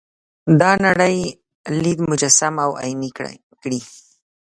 دا نړۍ لید مجسم او عیني کړي.